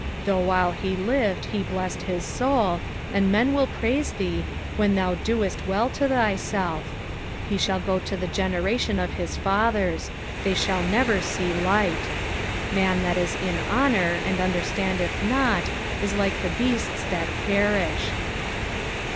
18 Though while he lived he blessed his soul : and men will praise thee, when thou doest well to thyself. 19 He shall go to the generation of his fathers ; they shall never see light. 20 Man tkat is in honour, and understandeth not, is like the beasts //tat perish.